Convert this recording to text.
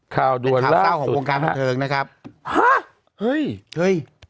ข่าวด่วนล่าสุดนะครับฮะเฮ้ยเฮ้ย